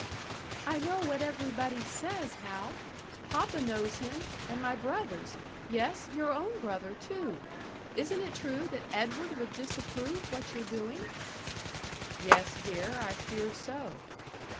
"I know what everybody says, Hal! Papa knows him, and my brothers yes, your own brother, too! Isn't it true that Edward would disapprove what you're doing?" "Yes, dear, I fear so."